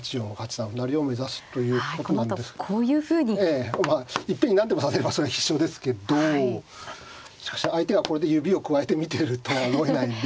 ええまあいっぺんに何手も指せればそりゃ必勝ですけどしかし相手がこれで指をくわえて見てるとは思えないんで。